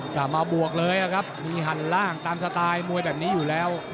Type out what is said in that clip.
กลับมาบวกเลยนะครับมีหันล่างตามสไตล์มวยแบบนี้อยู่แล้ว